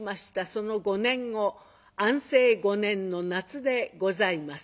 その５年後安政５年の夏でございます。